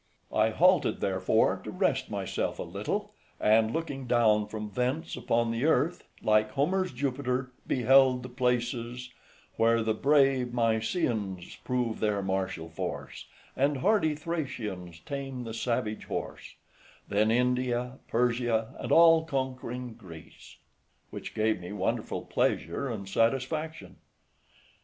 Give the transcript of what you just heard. I halted, therefore, to rest myself a little, and looking down from thence upon the earth, like Homer's Jupiter, beheld the places "Where the brave Mycians prove their martial force, And hardy Thracians tame the savage horse; Then India, Persia, and all conquering Greece." which gave me wonderful pleasure and satisfaction. FRIEND.